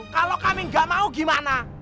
kalau kami nggak mau gimana